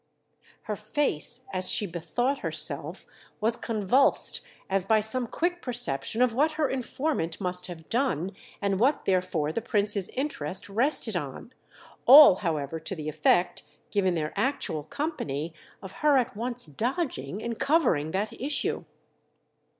Her face, as she bethought herself, was convulsed as by some quick perception of what her informant must have done and what therefore the Prince's interest rested on; all, however, to the effect, given their actual company, of her at once dodging and covering that issue.